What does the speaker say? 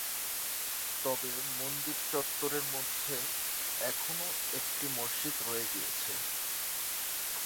তবে মন্দির চত্বরের মধ্যে এখনও একটি মসজিদ রয়ে গিয়েছে।